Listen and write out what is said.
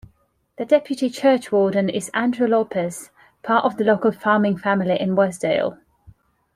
The deputy churchwarden is Andrew Lopez, part of a local farming family in Wasdale.